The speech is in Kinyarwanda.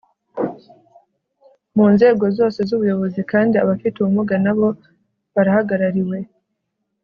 mu nzego zose z'ubuyobozi kandi abafite ubumuga na bo barahagarariwe